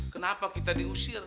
kenapa kita diusir